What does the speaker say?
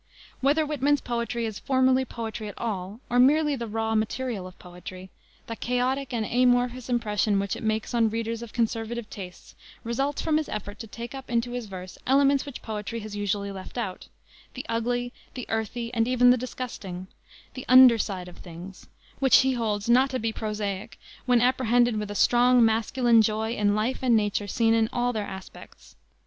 Whether Whitman's poetry is formally poetry at all or merely the raw material of poetry, the chaotic and amorphous impression which it makes on readers of conservative tastes results from his effort to take up into his verse elements which poetry has usually left out the ugly, the earthy, and even the disgusting; the "under side of things," which he holds not to be prosaic when apprehended with a strong, masculine joy in life and nature seen in all their aspects.